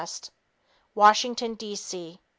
Washington, D. C.